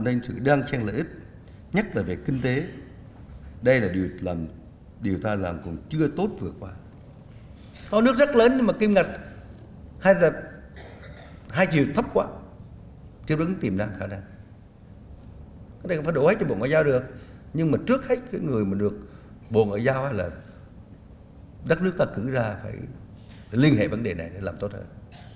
nếu như bộ ngoại giao hay là đất nước ta cử ra phải liên hệ vấn đề này để làm tốt hơn